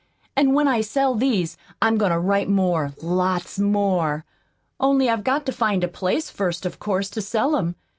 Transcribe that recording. "An' when I sell these, I'm goin' to write more lots more. Only I've got to find a place, first, of course, to sell 'em.